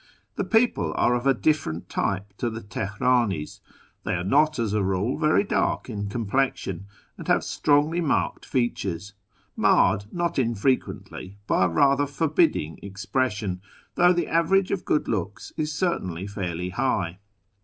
The people are of a different type to the Teherani's ; they are not as a rule very dark in complexion, and have strongly marked features, marred not infrequently by a rather forliidding ex pression, though the average of good looks is certainly fairly high.